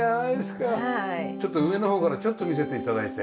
ちょっと上の方からちょっと見せて頂いて。